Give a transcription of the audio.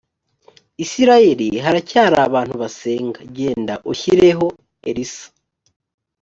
isirayeli haracyari abantu bansenga genda ushyireho elisa